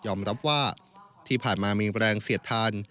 รับว่าที่ผ่านมามีแรงเสียดทาน